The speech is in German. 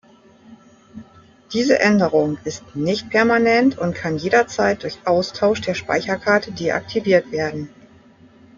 Diese Änderung ist nicht permanent und kann jederzeit durch Austausch der Speicherkarte deaktiviert werden.